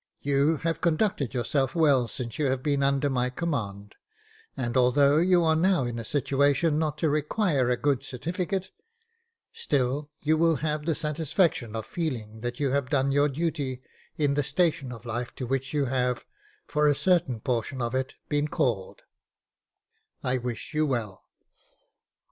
You have conducted yourself well since you have been under my command ; and, although you are now in a situation not to require a good certificate, still you will have the satisfaction of feeling that you have done your duty in the station of life to which you have, for a certain portion of it, been called — I wish you well."